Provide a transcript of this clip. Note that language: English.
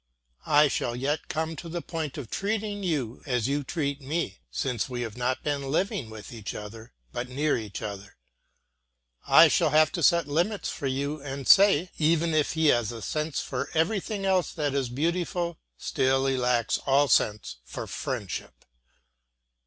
I shall yet come to the point of treating you as you treat me, since we have not been living with each other, but near each other. I shall have to set limits for you and say: Even if he has a sense for everything else that is beautiful, still he lacks all sense for friendship.